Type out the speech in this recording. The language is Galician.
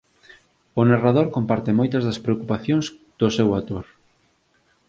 O narrador comparte moitas das preocupacións do seu autor.